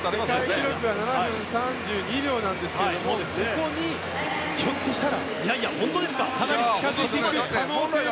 世界記録が７分３２秒なんですがここに、ひょっとしたらかなり近づいていく可能性も。